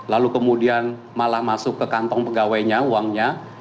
lalu kemudian malah masuk ke kantong pegawainya uangnya